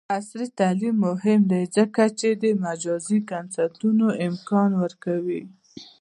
عصري تعلیم مهم دی ځکه چې د مجازی کنسرټونو امکان ورکوي.